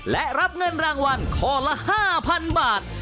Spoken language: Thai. และรับเงินรางวัลข้อละ๕๐๐๐บาท